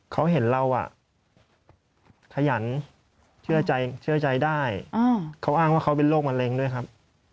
เขาเห็นเราขยันเชื่อใจได้เขาอ้างว่าเขาเป็นโรคมะเร็งด้วยครับ